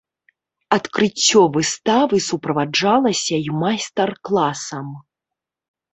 Адкрыццё выставы суправаджалася і майстар-класам.